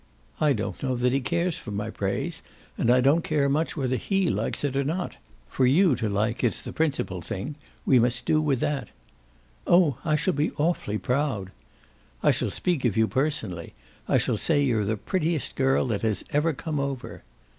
"I don't know that he cares for my praise and I don't care much whether HE likes it or not. For you to like it's the principal thing we must do with that." "Oh I shall be awfully proud." "I shall speak of you personally I shall say you're the prettiest girl that has ever come over."